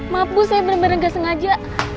maaf bu saya bener bener gak sengaja